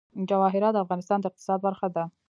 جواهرات د افغانستان د اقتصاد برخه ده.